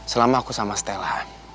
selama aku sama stella